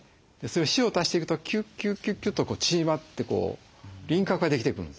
塩を足していくとキュキュキュキュと縮まって輪郭ができてくるんです。